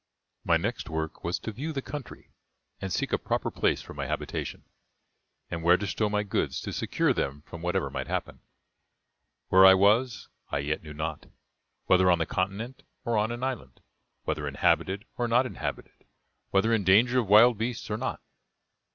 My next work was to view the country, and seek a proper place for my habitation, and where to stow my goods to secure them from whatever might happen. Where I was, I yet knew not; whether on the continent or on an island; whether inhabited or not inhabited; whether in danger of wild beasts or not.